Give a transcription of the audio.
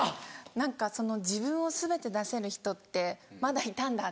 何か自分を全て出せる人ってまだいたんだ！